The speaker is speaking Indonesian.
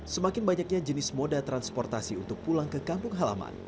semakin banyaknya jenis moda transportasi untuk pulang ke kampung halaman